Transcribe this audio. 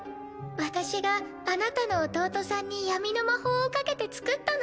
私があなたの義弟さんに闇の魔法をかけてつくったの。